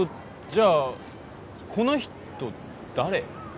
じゃあこの人誰？